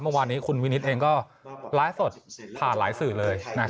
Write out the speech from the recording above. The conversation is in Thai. เมื่อวานนี้คุณวินิตเองก็ไลฟ์สดผ่านหลายสื่อเลย